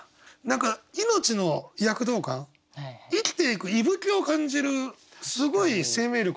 何か命の躍動感生きていく息吹を感じるすごい生命力のある歌だと。